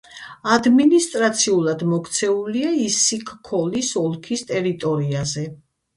ადმინისტრაციულად მოქცეულია ისიქ-ქოლის ოლქის ტერიტორიაზე.